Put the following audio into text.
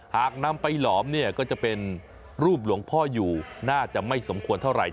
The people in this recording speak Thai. หากนำไปหลอมเนี่ยก็จะเป็นรูปหลวงพ่ออยู่น่าจะไม่สมควรเท่าไหร่